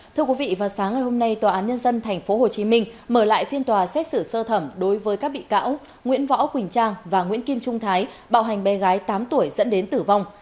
thưa quý vị vào sáng ngày hôm nay tòa án nhân dân tp hcm mở lại phiên tòa xét xử sơ thẩm đối với các bị cáo nguyễn võ quỳnh trang và nguyễn kim trung thái bạo hành bé gái tám tuổi dẫn đến tử vong